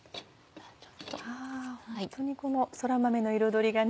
ホントにこのそら豆の彩りがね